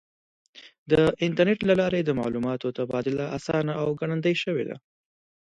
د انټرنیټ له لارې د معلوماتو تبادله آسانه او ګړندۍ شوې ده.